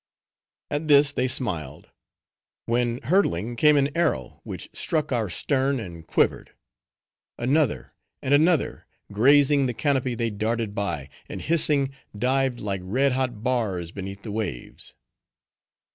At this they smiled. When hurtling came an arrow, which struck our stern, and quivered. Another! and another! Grazing the canopy, they darted by, and hissing, dived like red hot bars beneath the waves.